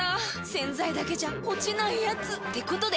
⁉洗剤だけじゃ落ちないヤツってことで。